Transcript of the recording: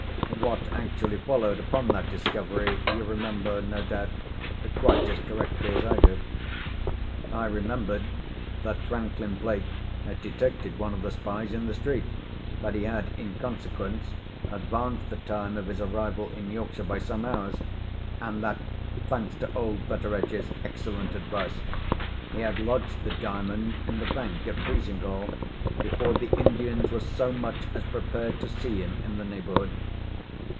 What actually followed upon that discovery, you remember, no doubt, quite as correctly as I do." I remembered that Franklin Blake had detected one of the spies, in the street—that he had, in consequence, advanced the time of his arrival in Yorkshire by some hours—and that (thanks to old Betteredge's excellent advice) he had lodged the Diamond in the bank at Frizinghall, before the Indians were so much as prepared to see him in the neighbourhood.